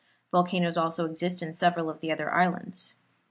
Volcanoes also exist in several of the other islands.